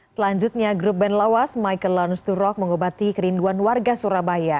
selanjutnya grup band lawas michael lons to rock mengobati kerinduan warga surabaya